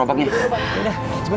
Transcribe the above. saat makanya tanggung jawab